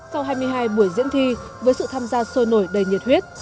sau hai mươi hai buổi diễn thi với sự tham gia sôi nổi đầy nhiệt huyết